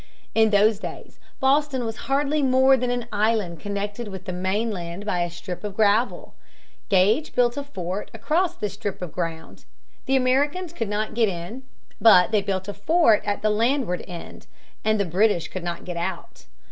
In those days Boston was hardly more than an island connected with the mainland by a strip of gravel. Gage built a fort across this strip of ground. The Americans could not get in. But they built a fort at the landward end, and the British could not get out.